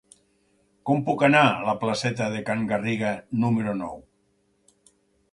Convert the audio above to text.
Com puc anar a la placeta de Can Garriga número nou?